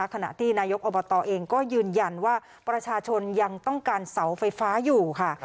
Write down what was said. ขณะที่นายกอบตเองก็ยืนยันว่าประชาชนยังต้องการเสาไฟฟ้าอยู่ค่ะ